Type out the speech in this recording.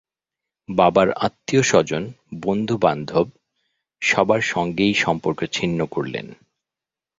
বাবার আত্মীয়স্বজন, বন্ধুবান্ধব সবার সঙ্গেই সম্পর্ক ছিন্ন করলেন।